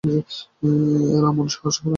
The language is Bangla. এলা, মন সহজ করো।